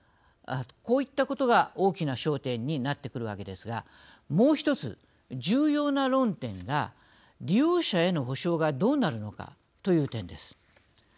こういったことが大きな焦点になってくるわけですがもう１つ、重要な論点が利用者への補償がどうなるのかという点です。